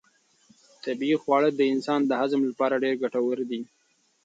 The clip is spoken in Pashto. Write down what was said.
طبیعي خواړه د انسان د هضم لپاره ډېر ګټور دي.